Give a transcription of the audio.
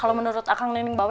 aku mau ke tempat yang lebih baik